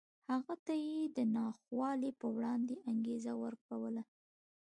هغه ته یې د ناخوالو په وړاندې انګېزه ورکوله